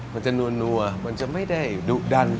มันจะนัวมันจะไม่ได้ดุดัน